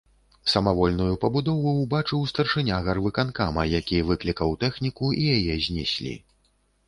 Самавольную пабудову ўбачыў старшыня гарвыканкама, які выклікаў тэхніку і яе знеслі.